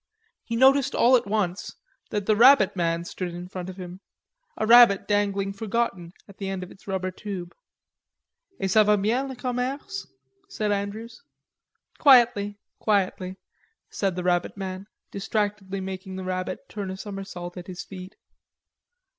He noticed all at once that the rabbit man stood in front of him, a rabbit dangling forgotten at the end of its rubber tube. "Et ca va bien? le commerce," said Andrews. "Quietly, quietly," said the rabbit man, distractedly making the rabbit turn a somersault at his feet.